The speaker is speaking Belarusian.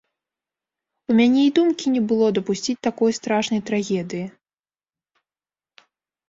У мяне і думкі не было дапусціць такой страшнай трагедыі.